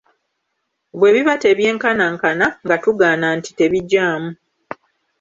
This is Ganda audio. Bwe biba tebyenkanankana, nga tugaana nti tebigyamu.